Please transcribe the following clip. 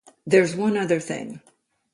There's one other thing.